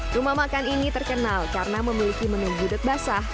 rumah makan ini terkenal karena memiliki menu gudeg basah